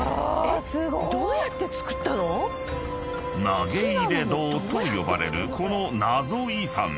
［投入堂と呼ばれるこのナゾ遺産］